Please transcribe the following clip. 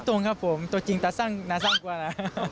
ไม่ตรงครับผมตัวจริงแต่สร้างกว่านั้น